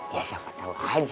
ya siapa tau aja